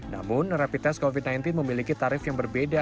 namun rapid test covid sembilan belas memiliki tarif yang berbeda